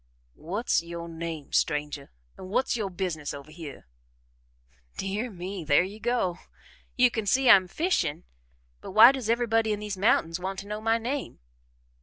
"What's yo' name, stranger, an' what's yo' business over hyeh?" "Dear me, there you go! You can see I'm fishing, but why does everybody in these mountains want to know my name?"